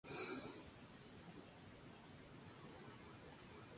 Con su segunda mujer, Kay Lawrence, tienen un hijo, Tom.